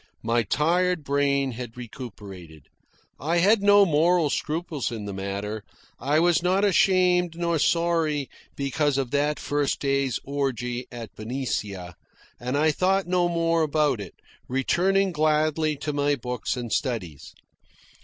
My tired brain had recuperated. I had no moral scruples in the matter. I was not ashamed nor sorry because of that first day's orgy at Benicia, and I thought no more about it, returning gladly to my books and studies.